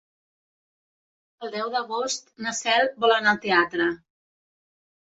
El deu d'agost na Cel vol anar al teatre.